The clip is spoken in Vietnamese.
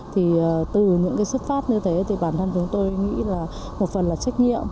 thì từ những cái xuất phát như thế thì bản thân chúng tôi nghĩ là một phần là trách nhiệm